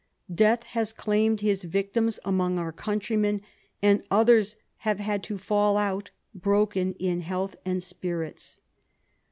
Death has claimed his victims among our countrymen, and others have had to fall out broken in health and spirits.